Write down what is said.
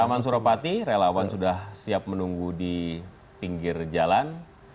taman suropati relawan sudah siap menunggu di pinggir jalan